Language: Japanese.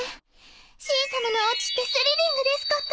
しん様のお家ってスリリングですこと！